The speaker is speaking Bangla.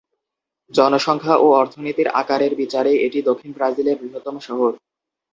জনসংখ্যা ও অর্থনীতির আকারের বিচারে এটি দক্ষিণ ব্রাজিলের বৃহত্তম শহর।